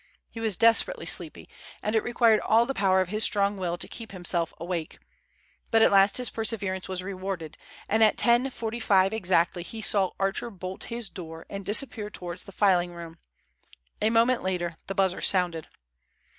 He was desperately sleepy, and it required all the power of his strong will to keep himself awake. But at last his perseverance was rewarded, and at 10.45 exactly he saw Archer bolt his door and disappear towards the filing room. A moment later the buzzer sounded.